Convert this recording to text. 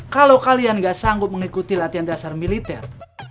kalau kalian gak sanggup mengikuti latihan dasar militer